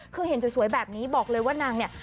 คือเห็นสวยแบบนี้บอกเลยว่านางเนี่ย